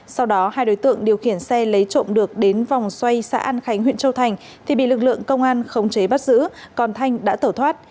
sau đó hai đối tượng điều khiển xe lấy trộm được đến vòng xoay xã an khánh huyện châu thành thì bị lực lượng công an khống chế bắt giữ còn thanh đã tẩu thoát